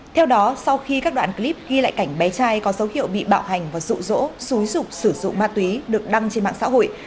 theo đó sau khi các đoạn clip ghi lại cảnh bé trai có dấu hiệu bị bạo hành và rụ rỗ xúi rục sử dụng ma túy được đăng trên mạng xã hội